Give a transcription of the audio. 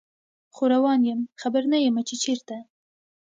خو روان یم خبر نه یمه چې چیرته